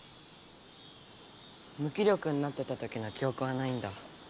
む気力になってたときの記おくはないんだ。